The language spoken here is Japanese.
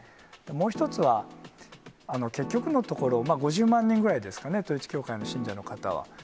もう１つは、結局のところ、５０万人ぐらいですかね、統一教会の信者の方は。